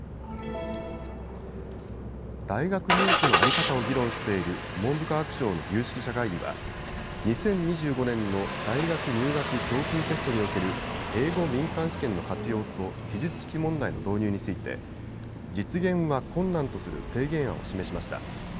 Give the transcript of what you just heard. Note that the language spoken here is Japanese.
大学入試の在り方を議論している文部科学省の有識者会議は２０２５年の大学入学共通テストにおける英語民間試験の活用と記述式問題の導入について実現は困難とする提言案を示しました。